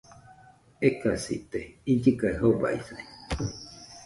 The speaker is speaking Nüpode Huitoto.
Ekasite, illɨ kaɨ jobaisai